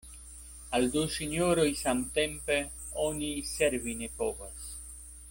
Al du sinjoroj samtempe oni servi ne povas.